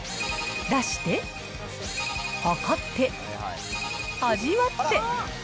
出して、量って、味わって。